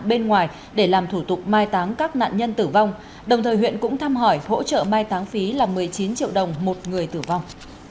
bên ngoài để làm thủ tục mai táng các nạn nhân tử vong đồng thời huyện cũng thăm hỏi hỗ trợ mai táng phí là một mươi chín triệu đồng một người tử vong